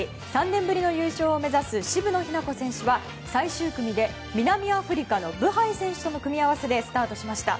３年ぶりの優勝を目指す渋野日向子選手は最終組で南アフリカのブハイ選手との組み合わせでスタートしました。